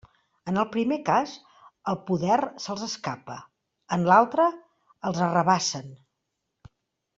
En el primer cas, el poder se'ls escapa; en l'altre, els l'arrabassen.